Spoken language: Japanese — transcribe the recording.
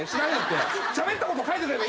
しゃべったこと書いてくれれば。